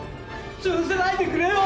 潰さないでくれよ！